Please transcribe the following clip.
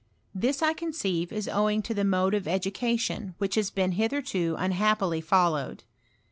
This I conceive is owing to the mode of educa tion which has been hitherto unhappily followed.